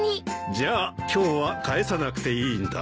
じゃあ今日は返さなくていいんだな？